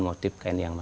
sitaka halusnya itu